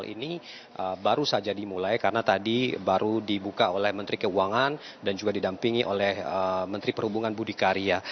ini baru saja dimulai karena tadi baru dibuka oleh menteri keuangan dan juga didampingi oleh menteri perhubungan budi karya